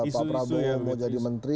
pak prabowo mau jadi menteri